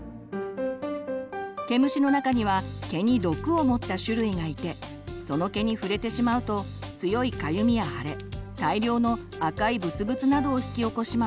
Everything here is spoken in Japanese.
毛虫の中には毛に毒を持った種類がいてその毛に触れてしまうと強いかゆみや腫れ大量の赤いブツブツなどを引き起こします。